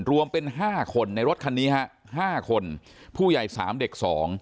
รวมเป็น๕คนในรถคันนี้ฮะ๕คนผู้ใหญ่๓เด็ก๒